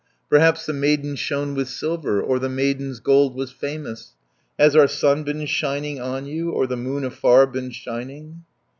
Perhaps the maiden shone with silver, Or the maiden's gold was famous. Has our sun been shining on you, Or the moon afar been shining?"